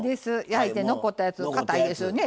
焼いて残ったやつかたいですよね。